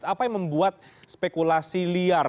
apa yang membuat spekulasi liar